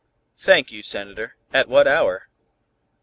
"Thank you, Senator, at what hour?"